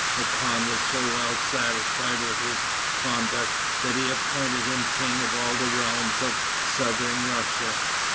The khan was so well satisfied with his conduct, that he appointed him king of all the realms of southern Russia.